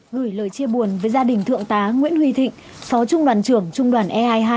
gửi lời chia buồn với gia đình thượng tá nguyễn huy thịnh phó trung đoàn trưởng trung đoàn e hai mươi hai